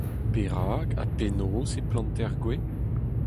Perak ha penaos e planter gwez ?